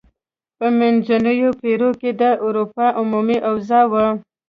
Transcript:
په منځنیو پیړیو کې د اروپا عمومي اوضاع وه.